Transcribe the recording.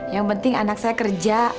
yang penting anak saya kerja